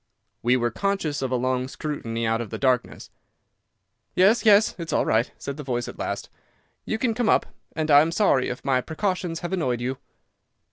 We were conscious of a long scrutiny out of the darkness. "Yes, yes, it's all right," said the voice at last. "You can come up, and I am sorry if my precautions have annoyed you."